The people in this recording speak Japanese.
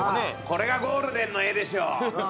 これがゴールデンの絵でしょ。